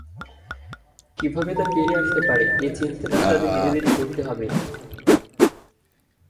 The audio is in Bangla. কীভাবে তা ফিরে আসতে পারে, এই চিন্তাটাও তাদের নিজেদেরই করতে হবে।